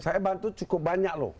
saya bantu cukup banyak loh